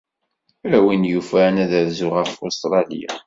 A win yufan ad rzuɣ ɣef Ustṛalya.